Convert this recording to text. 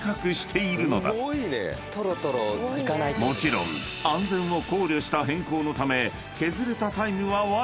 ［もちろん安全を考慮した変更のため］